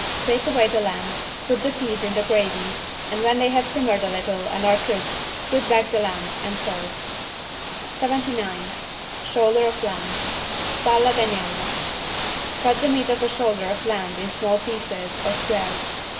Take away the lamb, put the peas in the gravy, and when they have simmered a little and are cooked put back the lamb and serve. 79 SHOULDER OF LAMB (Spalla d'agnello) Cut the meat of a shoulder of lamb in small pieces, or squares.